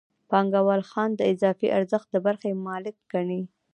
پانګوال ځان د اضافي ارزښت د برخې مالک ګڼي